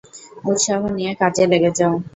উৎসাহ নিয়ে কাজে লেগে যাও।